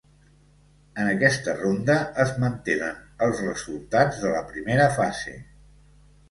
En aquesta ronda es mantenen els resultats de la primera fase.